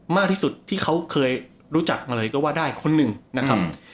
มากที่สุดที่เขาเคยรู้จักมาเลยก็ว่าได้คนหนึ่งนะครับ